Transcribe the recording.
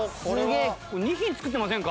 ２品作ってませんか？